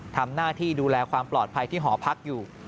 ทำหน้าที่ดูแลความปลอดภัยที่หอพักอยู่